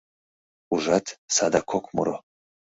Ужат, садак ок муро...